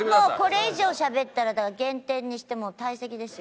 これ以上しゃべったら減点にしてもう退席ですよ。